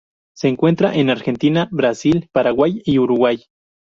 Se encuentra en Argentina, Brasil, Paraguay y Uruguay.